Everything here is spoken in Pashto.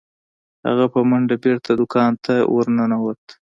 هغه په منډه بیرته دکان ته ورنوت.